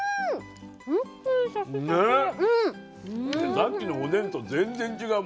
さっきのおでんと全然違う